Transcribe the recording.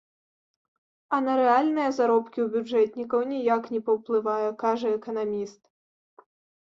А на рэальныя заробкі ў бюджэтнікаў ніяк не паўплывае, кажа эканаміст.